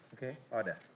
oke oh ada